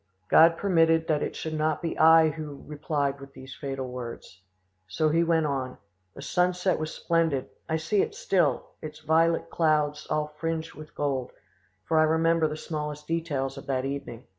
God permitted that it should not be I who replied with these fatal words. So he went on. The sunset was splendid: I see it still; its violet clouds all fringed with gold, for I remember the smallest details of that evening.